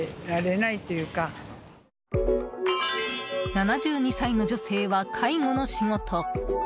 ７２歳の女性は介護の仕事。